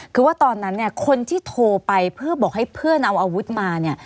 คือว่าตอนนั้นเนี่ยคนที่โทรไปเพื่อบอกให้เพื่อนเอาอาวุธมาเนี่ย